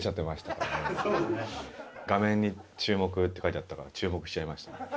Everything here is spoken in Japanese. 画面に注目って書いてあったから、注目しちゃいました。